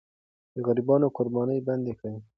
د غریبانو قرباني بنده کړه.